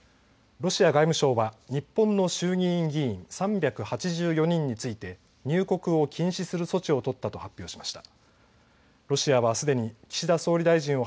ロシア外務省は日本の衆議院議員３８４人について入国を禁止する措置を取ったと発表しました。